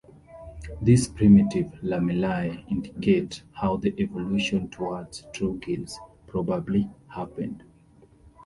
These primitive lamellae indicate how the evolution towards true gills probably happened.